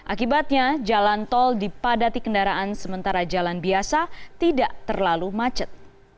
akibatnya jalan tol dipadati kendaraan sementara jalan biasa tidak terlalu macet